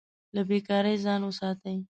له بې کارۍ ځان وساتئ.